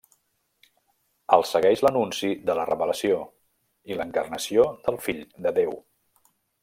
El segueix l'anunci de la revelació, i l'encarnació del fill de Déu.